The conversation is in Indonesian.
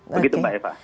begitu mbak eva